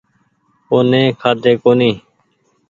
او ني کآۮي ڪونيٚ